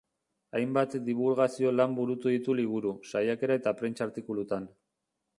Hainbat dibulgazio lan burutu ditu liburu, saiakera eta prentsa-artikulutan.